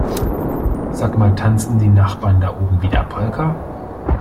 Sag mal tanzen die Nachbarn da oben wieder Polka?